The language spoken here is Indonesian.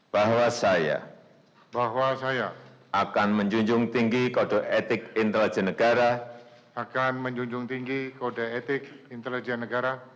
bahwa saya akan menjunjung tinggi kode etik intelijen negara